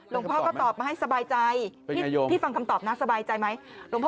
ลงพ่อก็ตอบมาให้สบายใจพี่ฟังคำตอบน้าสบายใจไหมว่าไงโยม